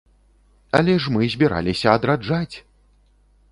Але ж мы збіраліся адраджаць!